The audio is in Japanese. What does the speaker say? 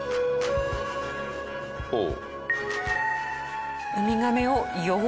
ほう。